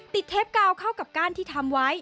เทปกาวเข้ากับก้านที่ทำไว้